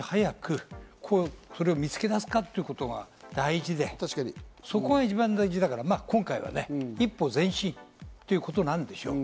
そういう中でいかに早くそれを見つけ出すかということが大事で、そこが一番大事だから、今回はね、一歩前進ということなんでしょう。